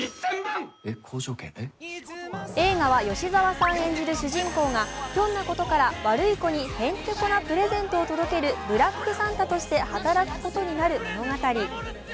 映画は吉沢さん演じる主人公がひょんなことから悪い子にへんてこなプレゼントを届けるブラックサンタとして働くことになる物語。